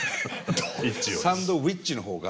「サンドウィッチ」の方が。